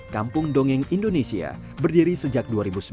kampung dongeng indonesia berdiri sejak dua ribu sembilan